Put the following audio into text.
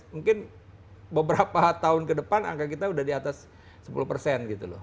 mungkin beberapa tahun ke depan angka kita sudah di atas sepuluh persen gitu loh